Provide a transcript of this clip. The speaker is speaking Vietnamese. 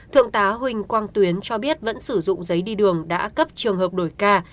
thượng tá huỳnh quang tuyến cho biết vẫn sử dụng giấy đi đường đã cấp trường hợp đổi ca